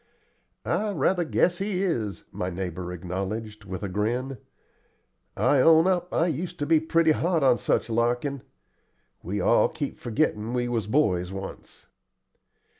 "I rather guess he is," my neighbor acknowledged, with a grin. "I own up I used to be pretty hot on such larkin'. We all keep forgettin' we was boys once."